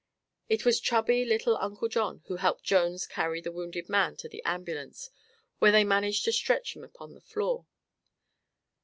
It was chubby little Uncle John who helped Jones carry the wounded man to the ambulance, where they managed to stretch him upon the floor.